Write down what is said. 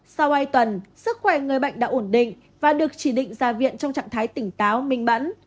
sau hai tuần sức khỏe người bệnh đã ổn định và được chỉ định ra viện trong trạng thái tỉnh táo minh bẩn